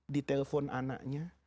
di telepon anaknya